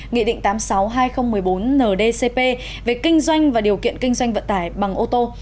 nghị định tám mươi sáu hai nghìn một mươi bốn ndcp về kinh doanh và điều kiện kinh doanh vận tải bằng ô tô